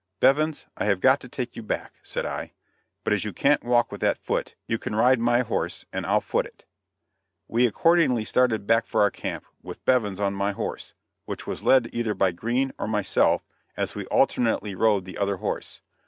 "Bevins, I have got to take you back," said I, "but as you can't walk with that foot, you can ride my horse and I'll foot it." We accordingly started back for our camp, with Bevins on my horse, which was led either by Green or myself, as we alternately rode the other horse.